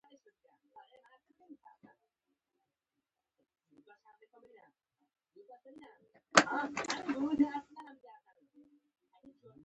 کلورین د یوه الکترون په اخیستلو چارج منفي یو غوره کړی دی.